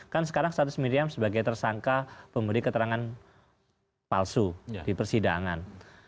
kan sekarang status miriam sebagai tersangka pemberi keterangan palsu di persidangan